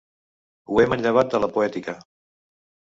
Ho he manllevat de la poètica.